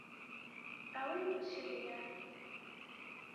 Ew bişiriye.